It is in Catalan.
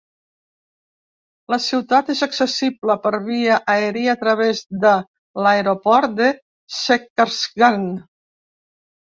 La ciutat és accessible per via aèria a través de l'aeroport de Zhezkazgan.